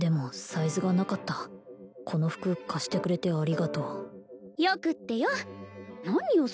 サイズがなかったこの服貸してくれてありがとうよくってよ何よ